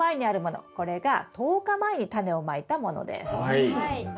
はい。